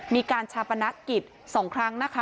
มีการชาปนักกิจสองครั้งนะคะ